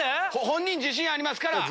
本人自信ありますから。